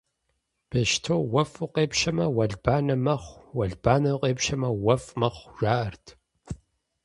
Бещто уэфӀу къепщэмэ, уэлбанэ мэхъу, уэлбанэу къепщэмэ, уэфӀ мэхъу, жаӀэрт.